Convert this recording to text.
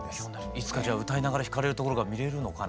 いつかじゃあ歌いながら弾かれるところが見れるのかな？